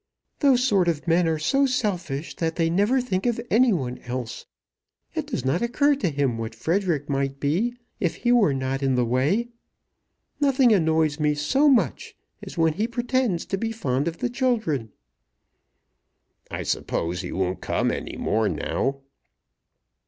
"Those sort of men are so selfish that they never think of any one else. It does not occur to him what Frederic might be if he were not in the way. Nothing annoys me so much as when he pretends to be fond of the children." "I suppose he won't come any more now."